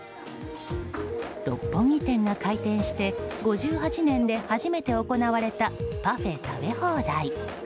六本木店が開店して５８年で初めて行われた、パフェ食べ放題。